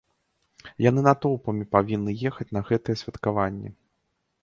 Яны натоўпамі павінны ехаць на гэтыя святкаванні.